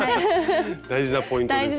大事なポイントですよね。